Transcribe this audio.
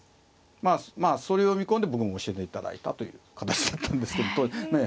まあそれを見込んで僕も教えていただいたという形だったんですけど。